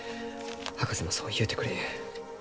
博士もそう言うてくれゆう。